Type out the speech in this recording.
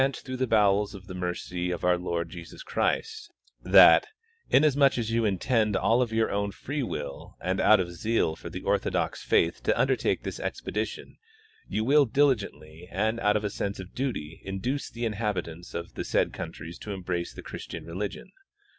219 through the bowels of the mercy of our Lord Jesus Christ, that, inasmuch as you intend of your OAvn free will and out of zeal for the orthodox faith to undertake this expedition, you will diligently and out of a sense of duty induce the inhabitants of the said countries to embrace the Christian religion.